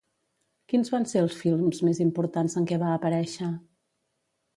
Quins van ser els films més importants en què va aparèixer?